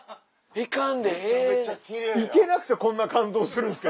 行けなくてこんな感動するんですか？